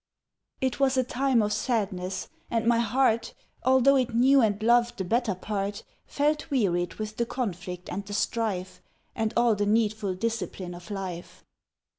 It was a time of sadness, and my heart, Although it knew and loved the better part, Felt wearied with the conflict and the strife, And all the needful discipline of life.